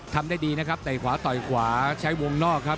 ทำได้ดีนะครับเตะขวาต่อยขวาใช้วงนอกครับ